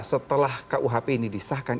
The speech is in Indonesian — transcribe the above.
setelah kuhp ini disahkan